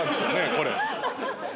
これ。